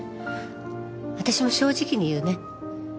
私も正直に言うね。